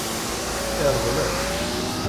Yeṛḍel-as-tt.